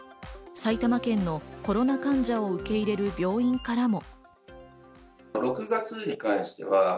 埼玉県のコロナ患者を受け入れる病院からも。